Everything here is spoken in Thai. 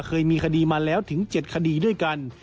เคยมีคดีมาแล้วถึง๗คดีด้วยกัน